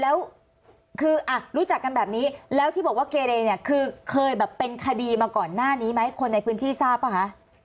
แล้วคือรู้จักกันแบบนี้แล้วที่บอกว่าเกเรเนี่ยคือเคยแบบเป็นคดีมาก่อนหน้านี้ไหมคนในพื้นที่ทราบป่ะคะ